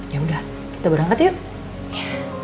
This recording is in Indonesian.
yaudah kita berangkat yuk